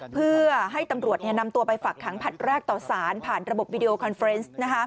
เพื่อให้ตำรวจนำตัวไปฝักขังผลัดแรกต่อสารผ่านระบบวิดีโอคอนเฟรนซ์